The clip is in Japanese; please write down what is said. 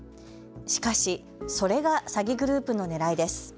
しかし、それが詐欺グループのねらいです。